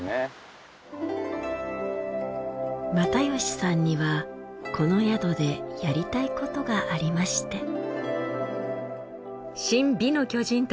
又吉さんにはこの宿でやりたいことがありまして。